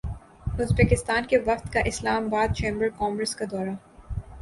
Uzbekistan کے وفد کا اسلام باد چیمبر کامرس کا دورہ